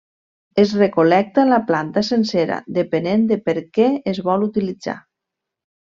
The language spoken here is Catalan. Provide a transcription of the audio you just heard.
Es recol·lecta la planta sencera, depenent de per què es vol utilitzar.